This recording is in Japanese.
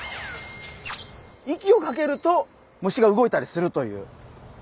息をかけると虫が動いたりするという。